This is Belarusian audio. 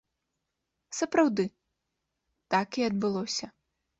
Сапраўды, так і адбылося.